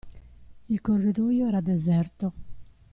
Il corridoio era deserto.